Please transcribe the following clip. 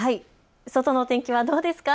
外の天気はどうですか。